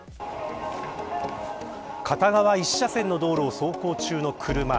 片側１車線の道路を走行中の車。